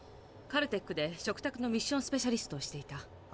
カルテックで嘱託のミッション・スペシャリストをしていた。